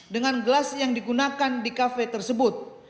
dengan gelas yang digunakan di kafe tersebut